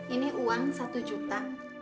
ini uang satu juta